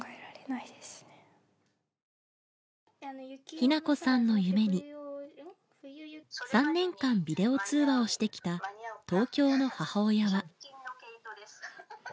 日菜子さんの夢に３年間ビデオ通話をしてきた東京の母親は。